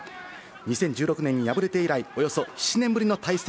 ２０１６年に敗れて以来、およそ７年ぶりの対戦。